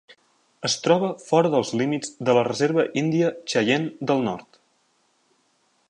Es troba fora dels límits de la reserva índia Cheyenne del Nord.